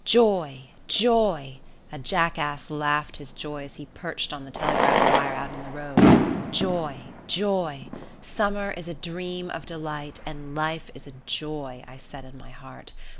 Joy! Joy! A jackass laughed his joy as he perched on the telegraph wire out in the road. Joy! joy! Summer is a dream of delight and life is a joy, I said in my heart.